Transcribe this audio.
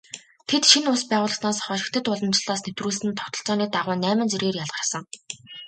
Тэд шинэ улс байгуулагдсанаас хойш хятад уламжлалаас нэвтрүүлсэн тогтолцооны дагуу найман зэргээр ялгарсан.